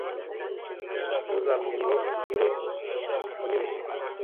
Ntuzavuge ngo «Ni we wanyobeje»,